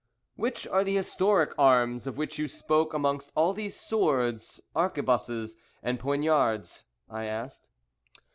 "Which are the historic arms of which you spoke amongst all these swords, arquebuses, and poignards?" I asked.